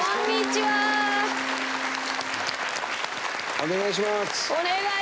お願いします。